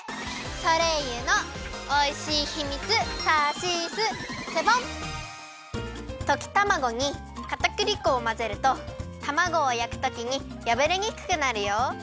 ソレイユのおいしいヒミツときたまごにかたくり粉をまぜるとたまごをやくときにやぶれにくくなるよ。